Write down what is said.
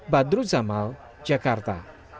badru zamal jakarta